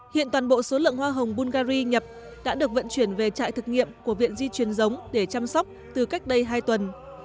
hiện toàn bộ số lượng hoa hồng bulgari nhập đã được vận chuyển về trại thực nghiệm của viện di truyền giống để chăm sóc từ cách đây hai tuần